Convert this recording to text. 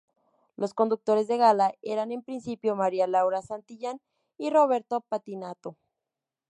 Los conductores de gala eran en principio María Laura Santillán y Roberto Pettinato.